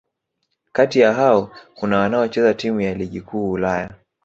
Kati ya hao kuna wanaocheza timu za Ligi Kuu Ulaya